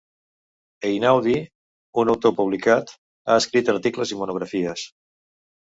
Einaudi, un autor publicat, ha escrit articles i monografies.